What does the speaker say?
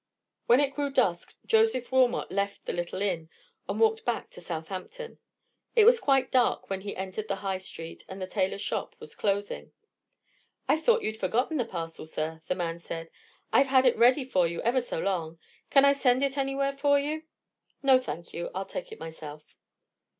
When it grew dusk, Joseph Wilmot left the little inn, and walked back to Southampton. It was quite dark when he entered the High Street, and the tailor's shop was closing. "I thought you'd forgotten your parcel, sir," the man said; "I've had it ready for you ever so long. Can I send it any where for you?" "No, thank you; I'll take it myself."